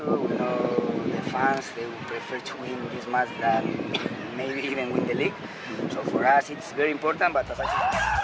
untuk kita itu sangat penting tapi